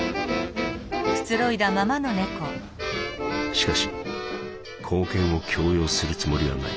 「しかし貢献を強要するつもりはない。